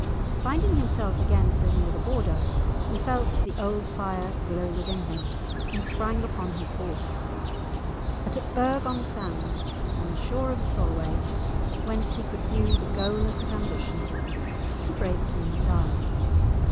Finding himself again so near the border, he felt the old fire glow within him, and sprang upon his horse—but at Burgh on Sands, on the shore of the Solway, whence he could view the goal of his ambition, the brave King died.